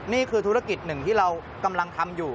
นี่คือธุรกิจหนึ่งที่เรากำลังทำอยู่